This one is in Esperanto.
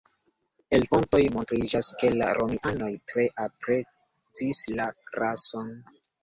El fontoj montriĝas ke la Romianoj tre aprezis la rason.